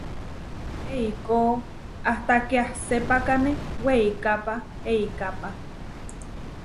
Eikó ahtaké asepákane weikápa eikápa.